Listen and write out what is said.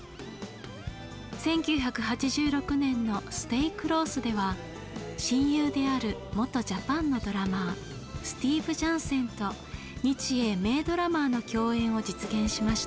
１９８６年の「ＳＴＡＹＣＬＯＳＥ」では親友である元ジャパンのドラマースティーブ・ジャンセンと日英名ドラマーの共演を実現しました。